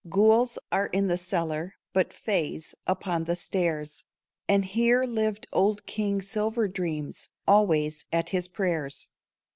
Ghouls are in the cellar, But fays upon the stairs. And here lived old King Silver Dreams, Always at his prayers.